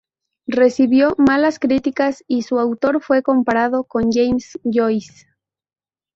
Recibió malas críticas y su autor fue comparado con James Joyce.